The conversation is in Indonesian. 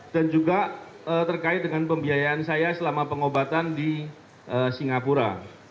dan juga terkait dengan pembiayaan saya selama pengobatan di singapura